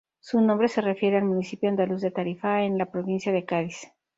Su nombre se refiere al municipio andaluz de Tarifa, en la provincia de Cádiz.